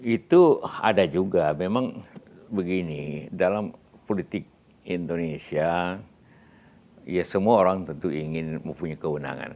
itu ada juga memang begini dalam politik indonesia ya semua orang tentu ingin mempunyai kewenangan